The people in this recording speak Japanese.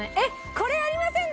これありませんでした？